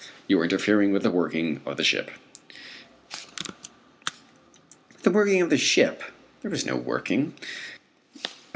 You are interfering with the working of the ship!" With the working of the ship! There was no working.